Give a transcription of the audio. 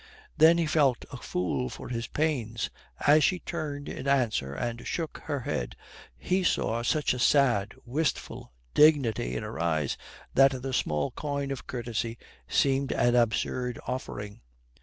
Then he felt a fool for his pains; as she turned in answer and shook her head he saw such a sad, wistful dignity in her eyes that the small coin of courtesy seemed an absurd offering.